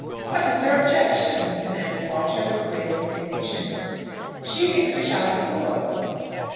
"What is her objection?" demanded Walter, with grave indignation. "She thinks we shall be poor."